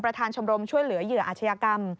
ชมรมช่วยเหลือเหยื่ออาชญากรรม